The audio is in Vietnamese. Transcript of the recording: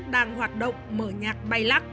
đang hoạt động mở nhạc bay lắc